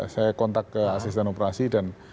saya kontak ke asisten operasi dan